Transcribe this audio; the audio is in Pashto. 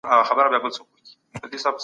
که غواړې چي بريالی سې، نو پوهه وکړه.